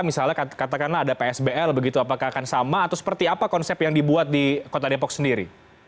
misalnya katakanlah ada psbl begitu apakah akan sama atau seperti apa konsep yang dibuat di kota depok sendiri